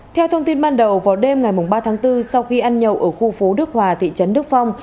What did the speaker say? theo thông tin ban đầu vào đêm ngày ba tháng bốn sau khi ăn nhậu ở khu phố đức hòa thị trấn đức phong